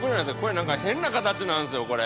なんか変な形なんですよこれ。